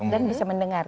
dan bisa mendengar